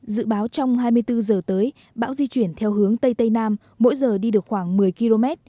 dự báo trong hai mươi bốn giờ tới bão di chuyển theo hướng tây tây nam mỗi giờ đi được khoảng một mươi km